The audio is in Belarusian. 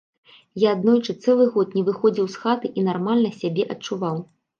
Я аднойчы цэлы год не выходзіў з хаты і нармальна сябе адчуваў.